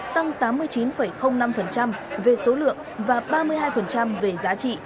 tăng tám mươi chín năm về số lượng và ba mươi hai về giá trị